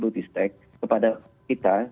budistek kepada kita